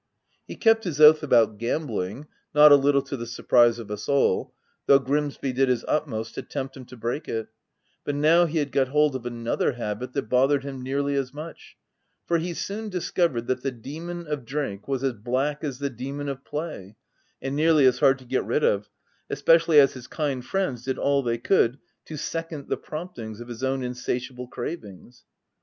" He kept his oath about gambling (not a little to the surprise of us all), though Grimsby did his utmost to tempt him to break it ; but now he had got hold of another habit that bothered him nearly as much, for he soon dis covered that the demon of drink was as black as the demon of play, and nearly as hard to get rid of — especially as his kind friends did all they could to second the promptings of his own insatiable cravings."